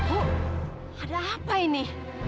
oh ada apa ini